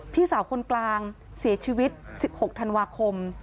พี่สาวคนกลางเสียชีวิต๑๖ธันวาคม